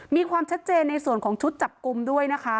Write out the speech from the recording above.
มีความชัดเจนในส่วนของชุดจับกลุ่มด้วยนะคะ